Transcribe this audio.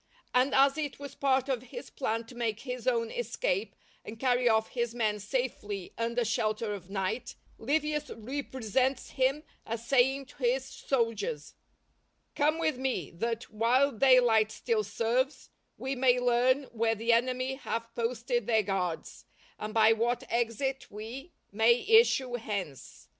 And as it was part of his plan to make his own escape and carry off his men safely under shelter of night, Livius represents him as saying to his soldiers:—"_Come with me, that, while daylight still serves, we may learn where the enemy have posted their guards, and by what exit we may issue hence.